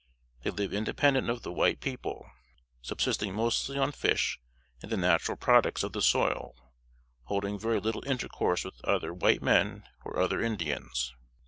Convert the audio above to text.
They live independent of the white people, subsisting mostly on fish and the natural products of the soil, holding very little intercourse with either white men or other Indians.